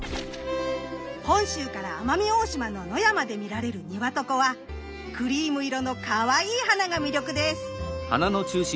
本州から奄美大島の野山で見られるニワトコはクリーム色のかわいい花が魅力です。